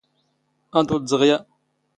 ⴰⴹⵓ ⴷ ⴷⵖⵢⴰ.